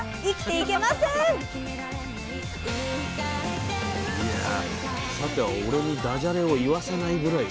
いやさては俺にダジャレを言わせないぐらいの。